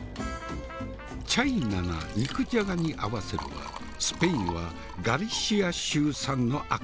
チャイナな肉じゃがに合わせるはスペインはガリシア州産の赤ワイン。